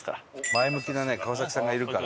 前向きだね川さんがいるから。